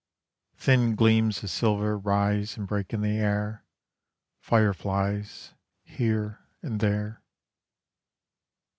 Thin gleams of silver rise and break in the air, Fireflies here and there.